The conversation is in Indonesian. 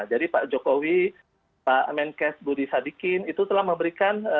jadi pak jokowi pak menkes budi sadikin itu telah memberikan